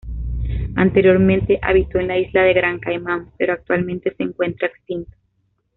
Anteriormente habitó en la isla de Gran Caimán, pero actualmente se encuentra extinto.